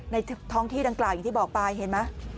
ในท้องที่ดังกล่าวอย่างที่บอกไปเห็นไหม